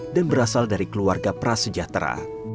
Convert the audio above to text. dan berasal dari keluarga prasejahtera